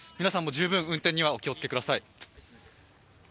皆さんも十分、運転にはお気をつけください。